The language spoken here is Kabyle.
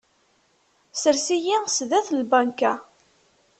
Sers-iyi zzat n lbanka.